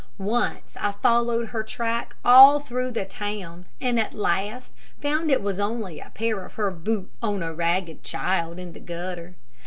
Once, I followed her track all through the town, and at last found it was only a pair of her boots on a ragged child in the gutter.